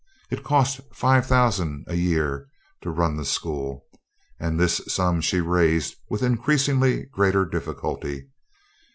It cost five thousand a year to run the school, and this sum she raised with increasingly greater difficulty.